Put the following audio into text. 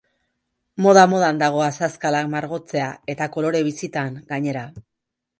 Moda-modan dago azazkalak margotzea eta kolore bizitan, gainera.